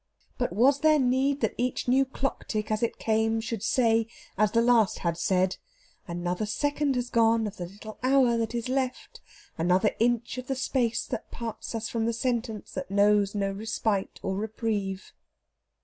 But was there need that each new clock tick as it came should say, as the last had said: "Another second has gone of the little hour that is left; another inch of the space that parts us from the sentence that knows no respite or reprieve"?